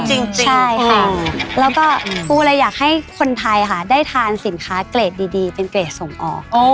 จริงใช่ค่ะแล้วก็ปูเลยอยากให้คนไทยค่ะได้ทานสินค้าเกรดดีเป็นเกรดส่งออก